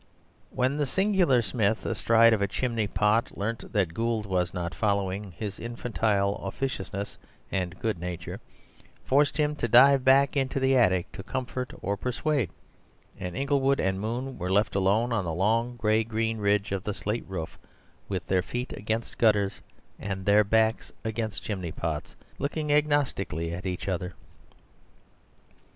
When the singular Smith, astride of a chimney pot, learnt that Gould was not following, his infantile officiousness and good nature forced him to dive back into the attic to comfort or persuade; and Inglewood and Moon were left alone on the long gray green ridge of the slate roof, with their feet against gutters and their backs against chimney pots, looking agnostically at each other.